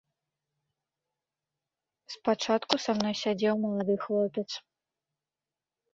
Спачатку са мной сядзеў малады хлопец.